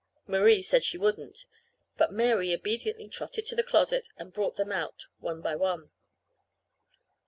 Marie said she wouldn't; but Mary obediently trotted to the closet and brought them out one by one.